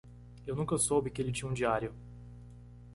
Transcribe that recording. Eu nunca soube que ele tinha um diário.